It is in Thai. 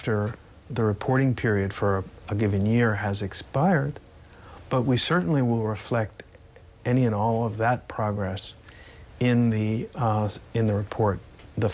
เพื่อปกป้องกันว่าเราพยายามสร้างความสำเร็จ